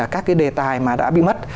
các cái đề tài mà đã bị mất